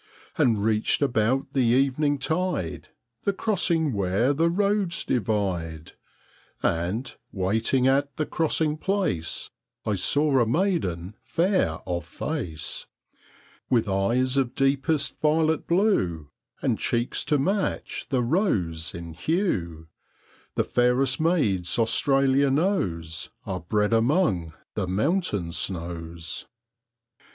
And reached about the evening tide The crossing where the roads divide; And, waiting at the crossing place, I saw a maiden fair of face, With eyes of deepest violet blue, And cheeks to match the rose in hue The fairest maids Australia knows Are bred among the mountain snows.